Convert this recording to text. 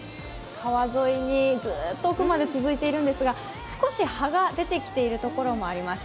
川沿いにずっと奥まで続いているんですが少し葉が出てきているところもあります。